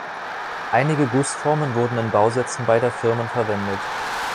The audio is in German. Einige Gussformen wurden in Bausätzen beider Firmen verwendet.